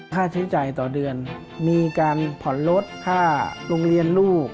ค่าใช้จ่ายต่อเดือนมีการผ่อนลดค่าโรงเรียนลูก